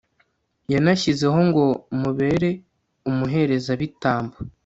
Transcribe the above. yananshyizeho ngo mubere umuherezabitambo